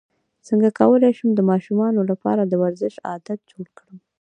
څنګه کولی شم د ماشومانو لپاره د ورزش عادت جوړ کړم